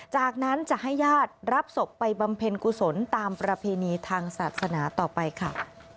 จากนั้นจะให้ญาติรับศพไปบำเพ็ญกุศลตามประเพณีทางศาสนาต่อไปค่ะ